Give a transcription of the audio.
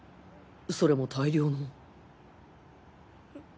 それも大量の